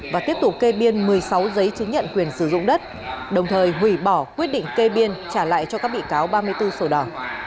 và tiếp tục kê biên một mươi sáu giấy chứng nhận quyền sử dụng đất đồng thời hủy bỏ quyết định kê biên trả lại cho các bị cáo ba mươi bốn sổ đỏ